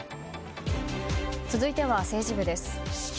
続いては政治部です。